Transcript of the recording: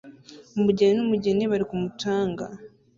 Umugeni n'umugeni bari ku mucanga